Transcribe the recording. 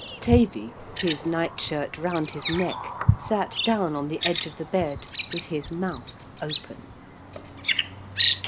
Tavy, his night shirt round his neck, sat down on the edge of the bed with his mouth open.